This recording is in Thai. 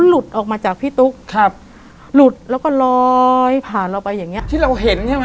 หึหึหึหึหึ